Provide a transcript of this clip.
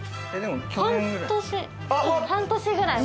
去年ぐらい。